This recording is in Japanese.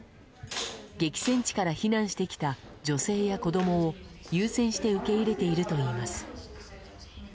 激戦地から避難してきた女性や子供を優先して受け入れているといいます。